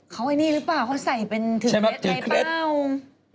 เขาอันนี้หรือเปล่าเขาใส่เป็นถึงเคล็ดในเป้าใช่มั้ย